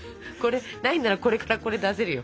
ないんならこれからこれ出せるよ！